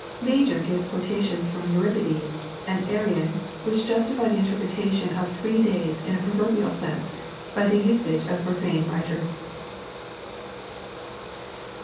Major gives quotations fi*om Euripides and Arrian which justify the interpretation of the three days in a pro verbial sense by the usage of profane writers.